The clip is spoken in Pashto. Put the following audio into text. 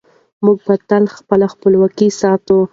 موږ به تل خپله خپلواکي ساتو.